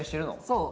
そう。